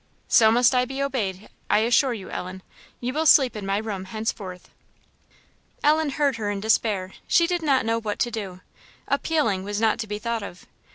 "So must I be obeyed, I assure you, Ellen. You will sleep in my room henceforth." Ellen heard her in despair; she did not know what to do. Appealing was not to be thought of.